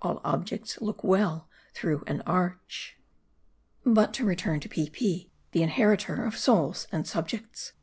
All objects look well through an arch. But to return to Peepi, the inheritor of souls and subjects.